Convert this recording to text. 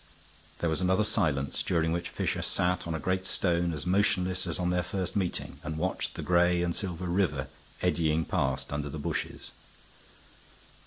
There was another silence, during which Fisher sat on a great stone as motionless as on their first meeting, and watched the gray and silver river eddying past under the bushes.